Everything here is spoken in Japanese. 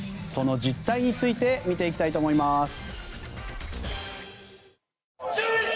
その実態について見ていきたいと思います。